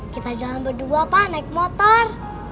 kita jalan berdua pak naik motor